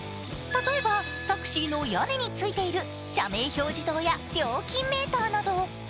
例えば、タクシーの屋根についている社名表示灯や料金メーターなど。